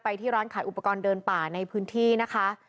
ที่ร้านขายอุปกรณ์เดินป่าในพื้นที่นะคะ